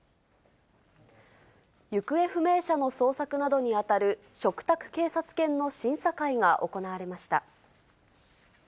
行方不明者の捜索などに当たる、嘱託警察犬の審査会が行われました。